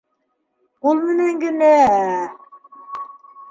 Ҡул менән генә...